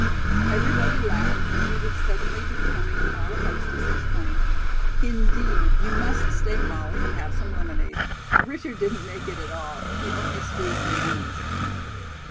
'" Everybody laughed, and Judith suddenly becoming a model hostess, exclaimed: "Indeed, you must stay, Molly, and have some lemonade. Richard didn't make it at all. He only squeezed the lemons."